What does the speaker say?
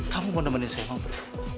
kamu mau nemenin saya ngobrol